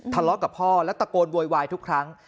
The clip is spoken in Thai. ทะเลาะกับพ่อและตะโกนโวยวายทุกครั้ง